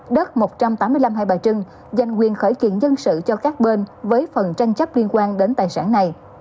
đất một trăm tám mươi năm hai bà trưng dành quyền khởi kiện dân sự cho các bên với phần tranh chấp liên quan đến tài sản này